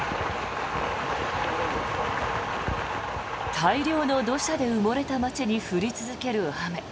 大量の土砂で埋もれた街に降り続ける雨。